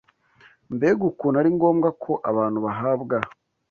Mbega ukuntu ari ngombwa ko abantu bahabwa